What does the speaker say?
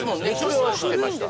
それは知ってました